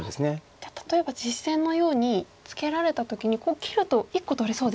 じゃあ例えば実戦のようにツケられた時に切ると１個取れそうですよね。